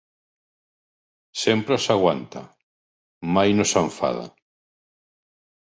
Sempre s'aguanta, mai no s'enfada.